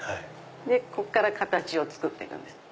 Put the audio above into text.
こっから形を作っていくんです。